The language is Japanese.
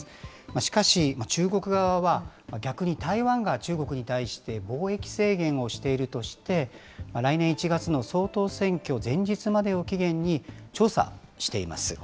しかし中国側は、逆に台湾が中国に対して貿易制限をしているとして、来年１月の総統選挙前日までを期限に調査しています。